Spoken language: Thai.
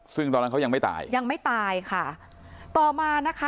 ซึ่งตอนนั้นเขายังไม่ตายยังไม่ตายค่ะต่อมานะคะ